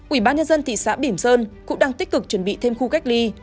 ubnd thị xã bỉm sơn cũng đang tích cực chuẩn bị thêm khu cách ly